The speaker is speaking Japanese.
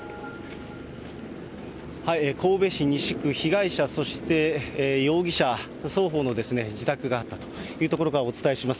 神戸市西区、被害者、そして容疑者双方の自宅があったという所からお伝えします。